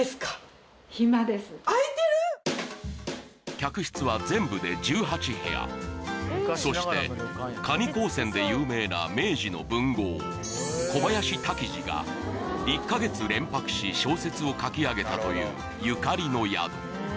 客室は全部で１８部屋そして『蟹工船』で有名な明治の文豪小林多喜二が１か月連泊し小説を書き上げたというゆかりの宿